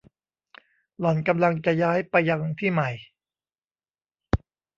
หล่อนกำลังจะย้ายไปยังที่ใหม่